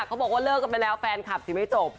เขาบอกว่าเลิกกันไปแล้วแฟนคลับสิไม่จบ